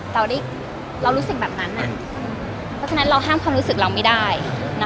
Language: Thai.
เพราะฉะนั้นเราห้ามความรู้สึกเราไม่ได้